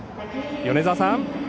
米澤さん。